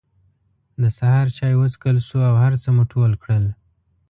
د سهار چای وڅکل شو او هر څه مو ټول کړل.